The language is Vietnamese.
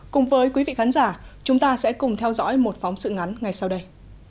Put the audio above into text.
cùng với quý vị khán giả chúng ta sẽ cùng theo dõi một phóng sự ngắn ngay sau đây